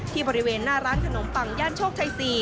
บริเวณหน้าร้านขนมปังย่านโชคชัย๔